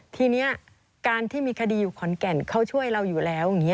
ทีนี้การที่มีคดีอยู่ขอนแก่นเขาช่วยเราอยู่แล้วอย่างนี้